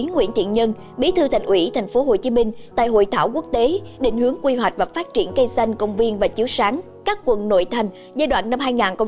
đồng chí nguyễn thiện nhân bí thư thành ủy thành phố hồ chí minh tại hội thảo quốc tế định hướng quy hoạch và phát triển cây xanh công viên và chiếu sáng các quận nội thành giai đoạn năm hai nghìn một mươi chín hai nghìn hai mươi năm